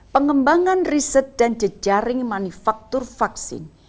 pengembangan riset dan jejaring manufaktur vaksin